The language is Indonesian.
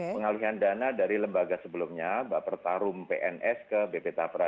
pengalihan dana dari lembaga sebelumnya bapak pertarung pns ke bp tapra